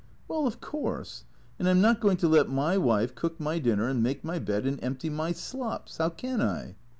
" Well — of course. And I 'm not going to let my wife cook my dinner and make my bed and empty my slops. How can I?"